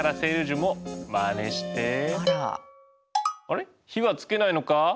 あれ火はつけないのか？